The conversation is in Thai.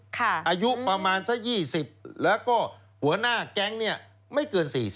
อายุประมาณสัก๒๐แล้วก็หัวหน้าแก๊งเนี่ยไม่เกิน๔๐